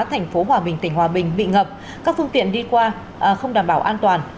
thành phố hòa bình tỉnh hòa bình bị ngập các phương tiện đi qua không đảm bảo an toàn